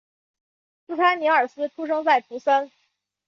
斯潘尼尔斯出生在图森。